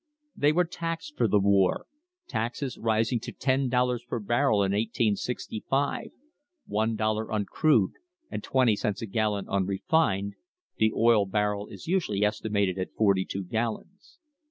They were taxed for the war — taxes rising to ten dollars per barrel in 1865 — one dollar on crude and twenty cents a gallon on refined (the oil barrel is usually estimated at forty two gallons).